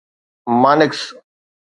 مانڪس